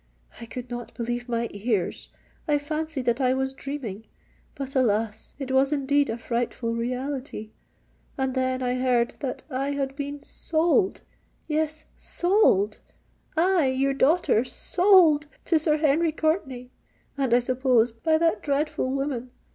I could not believe my ears—I fancied that I was dreaming. But, alas! it was indeed a frightful reality;—and then I heard that I had been sold,—yes, sold—I, your daughter, sold to Sir Henry Courtenay,—and, I suppose, by that dreadful woman!